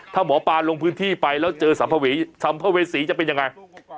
ถ้าหมอปลาลงพื้นที่ไปแล้วเจอสัมภวีสัมภเวษีจะเป็นยังไง